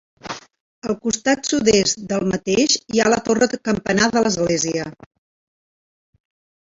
Al costat sud-est del mateix hi ha la torre campanar de l'església.